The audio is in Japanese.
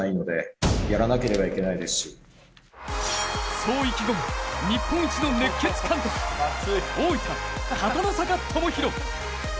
そう意気込む日本一の熱血監督、大分・片野坂知宏。